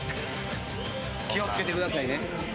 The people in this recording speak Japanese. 気を付けてくださいね。